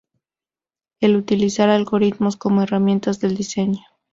El utilizar algoritmos como herramientas del diseño.